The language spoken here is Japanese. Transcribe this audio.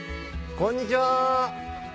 こんにちは。